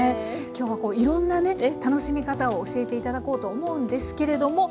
今日はいろんなね楽しみ方を教えて頂こうと思うんですけれども。